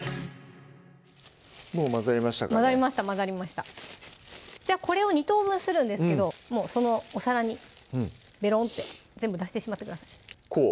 もう混ざりましたか混ざりました混ざりましたこれを２等分するんですけどもうそのお皿にベロンって全部出してしまってくださいこう？